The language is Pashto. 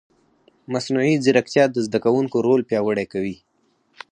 مصنوعي ځیرکتیا د زده کوونکي رول پیاوړی کوي.